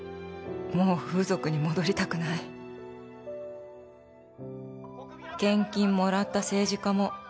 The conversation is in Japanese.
「もう風俗に戻りたくない」「献金もらった政治家も」